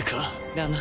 だな。